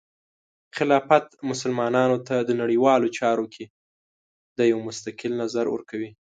خلافت مسلمانانو ته د نړیوالو چارو کې د یو مستقل نظر ورکوي.